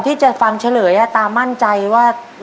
แสนแสนแสนแสนแสนแสนแสนแสน